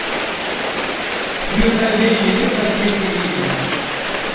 Rûyê xwe veşêre bila kes te nebîne.